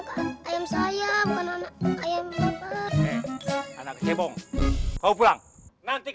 kenapa pokemon ini model yang sedih